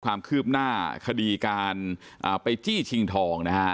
ความคืบหน้าคดีการไปจี้ชิงทองนะฮะ